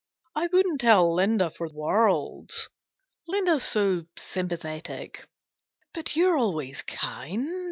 ... I wouldn't tell Linda for worlds Linda's so sympathetic. But you're always kind.